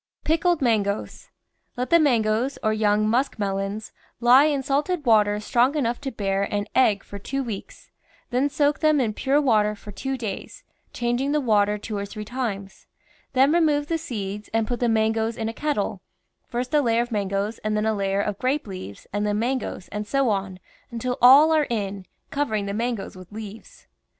PICKLED MANGOES Let the mangoes, or young musk melons, lie in salted water strong enough to bear an egg for two weeks, then soak them in pure water for two days, changing the water two or three times; then re move the seeds and put the mangoes in a kettle, first a layer of mangoes and then a layer of grape leaves and then mangoes, and so on, until all are in, covering the mangoes with leaves.